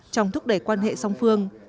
trong thúc đẩy quan hệ song phương